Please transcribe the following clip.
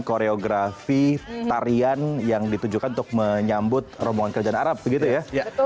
koreografi tarian yang ditujukan untuk menyambut rombongan kerajaan arab begitu ya